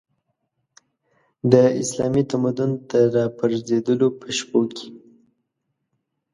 د اسلامي تمدن د راپرځېدلو په شپو کې.